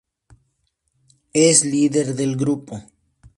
Es el líder del grupo.